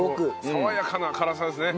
爽やかな辛さですね。